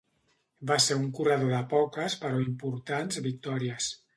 Va ser un corredor de poques però importants victòries.